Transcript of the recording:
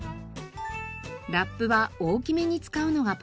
ラップは大きめに使うのがポイント。